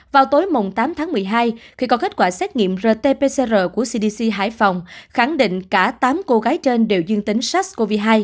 vào tối tám tháng một mươi hai khi có kết quả xét nghiệm rt pcr của cdc hải phòng khẳng định cả tám cô gái trên đều dương tính sars cov hai